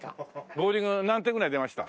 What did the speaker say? ボウリング何点ぐらい出ました？